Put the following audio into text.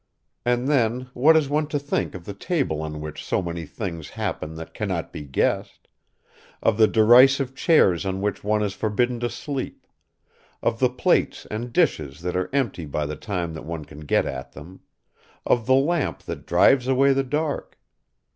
And then, what is one to think of the table on which so many things happen that cannot be guessed; of the derisive chairs on which one is forbidden to sleep; of the plates and dishes that are empty by the time that one can get at them; of the lamp that drives away the dark?...